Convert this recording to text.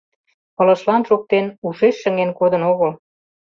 Пылышлан шоктен, ушеш шыҥен кодын огыл.